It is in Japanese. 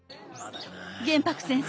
玄白先生